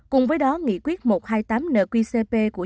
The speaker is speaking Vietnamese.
cùng với đó nghị quyết một trăm hai mươi tám nqcp của chủ tịch